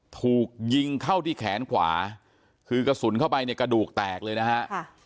ถูกยิงเข้าที่แขนขวาคือกระสุนเข้าไปเนี่ยกระดูกแตกเลยนะฮะ